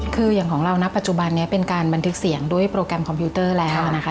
คืออย่างของเรานะปัจจุบันนี้เป็นการบันทึกเสียงด้วยโปรแกรมคอมพิวเตอร์แล้วนะคะ